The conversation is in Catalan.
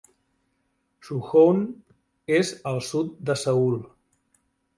Suwon és al sud de Seül.